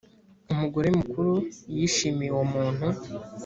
umugore mukuru yishimiye uwo muntu